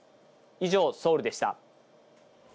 以上、ソウルでした。